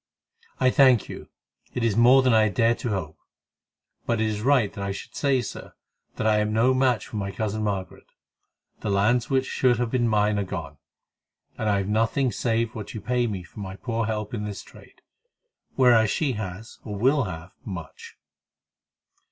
"I thank you; it is more than I dared to hope. But it is right that I should say, Sir, that I am no match for my cousin Margaret. The lands which should have been mine are gone, and I have nothing save what you pay me for my poor help in this trade; whereas she has, or will have, much."